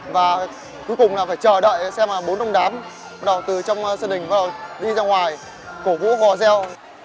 và cuối cùng là phải chờ đợi xem là bốn ông đám bắt đầu từ trong sân đỉnh bắt đầu đi ra ngoài cổ vũ gò reo